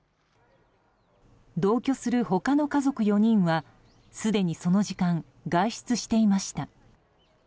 同居する他の家族４人はすでにその時間外出していました。